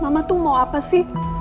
mama tuh mau apa sih